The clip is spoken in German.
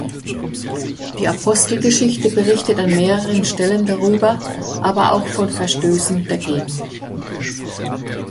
Die Apostelgeschichte berichtet an mehreren Stellen darüber, aber auch von Verstößen dagegen.